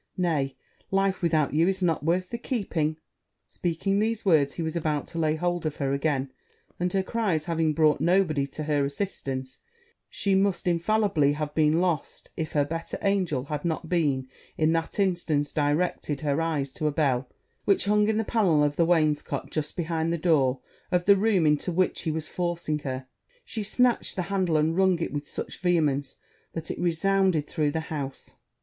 nay, life without you is not worth the keeping.' Speaking these words, he was about to lay hold of her again; and her cries having brought no body to her assistance, she must infallibly have been lost, if her better angel had not in that instant directed her eyes to a bell which hung in the pannel of the wainscot just behind the door of the room into which he was forcing her; she snatched the handle, and rung it with such vehemence that it resounded through the house.